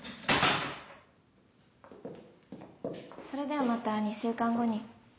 それではまた２週間後に。